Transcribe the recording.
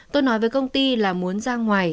tôi nói với công ty là muốn ra ngoài